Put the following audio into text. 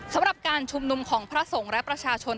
สำหรับการชุมนุมของพระสงฆ์และประชาชน